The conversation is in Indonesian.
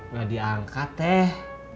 gak diangkat teh